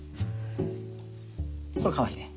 これかわいいね。